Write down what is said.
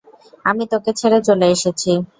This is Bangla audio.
আমি তাকে ছেড়ে চলে এসেছি।